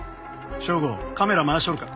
省吾カメラ回しとるか？